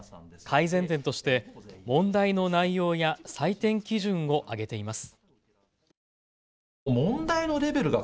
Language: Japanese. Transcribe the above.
改善点として問題の内容や採点基準を挙げています。